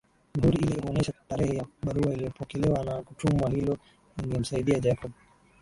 Mihuri ile huonesha tarehe ya barua iliyopokelewa na kutumwa hilo lingemsaidia Jacob